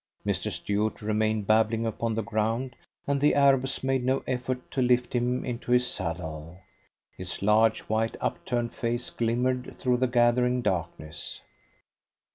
Mr. Stuart remained babbling upon the ground, and the Arabs made no effort to lift him into his saddle. His large, white, upturned face glimmered through the gathering darkness.